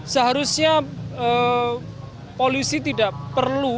seharusnya polisi tidak perlu